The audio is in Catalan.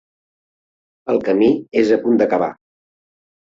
El camí és a punt d'acabar.